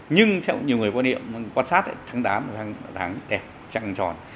nhưng theo nhiều người quan sát tháng tám là tháng đẹp trăng tròn